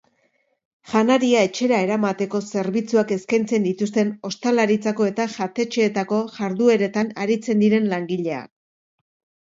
Janaria etxera eramateko zerbitzuak eskaintzen dituzten ostalaritzako eta jatetxeetako jardueretan aritzen diren langileak.